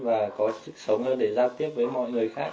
và có sức sống để giao tiếp với mọi người khác